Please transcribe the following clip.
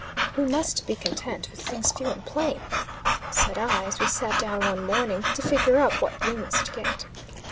"We must be content with things few and plain," said I, as we sat down one morning to figure up what we must get.